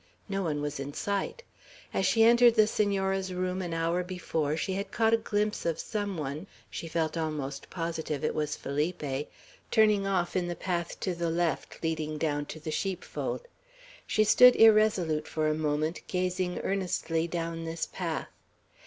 No one was in sight. As she entered the Senora's room an hour before, she had caught a glimpse of some one, she felt almost positive it was Felipe, turning off in the path to the left, leading down to the sheepfold. She stood irresolute for a moment, gazing earnestly down this path.